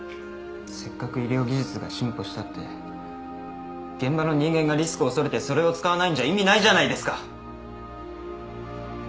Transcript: せっかく医療技術が進歩したって現場の人間がリスク恐れてそれを使わないんじゃ意味ないじゃないですか！